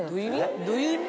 どういう意味？